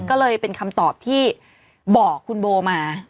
ก็เลยเป็นคำตอบที่บอกคุณโบมา